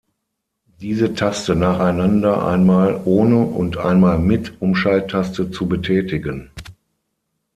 Diese Taste nacheinander einmal ohne und einmal mit Umschalttaste zu betätigen.